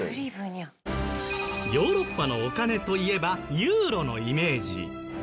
ヨーロッパのお金といえばユーロのイメージ。